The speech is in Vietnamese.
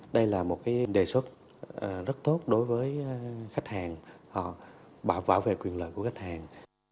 đây là một đề xuất rất tốt đối với khách hàng bảo vệ quyền lợi của khách hàng